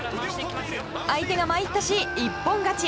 相手が参ったし、一本勝ち。